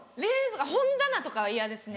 本棚とかは嫌ですね。